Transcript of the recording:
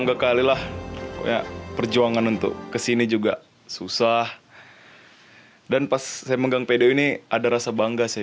enggak kalilah perjuangan untuk kesini juga susah dan pas saya megang pd ini ada rasa bangga saya